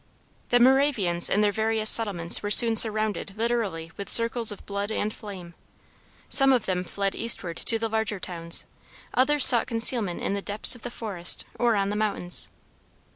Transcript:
The Moravians in their various settlements were soon surrounded literally with circles of blood and flame. Some of them fled eastward to the larger towns; others sought concealment in the depths of the forest or on the mountains.